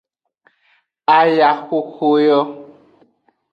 Ayaxoxo yo.